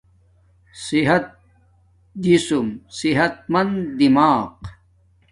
صحت جسم صحت مند دماغ